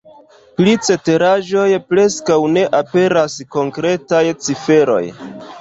Pri ceteraĵoj preskaŭ ne aperas konkretaj ciferoj.